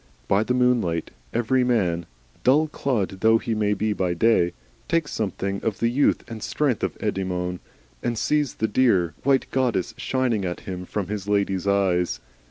By the moonlight every man, dull clod though he be by day, tastes something of Endymion, takes something of the youth and strength of Enidymion, and sees the dear white goddess shining at him from his Lady's eyes.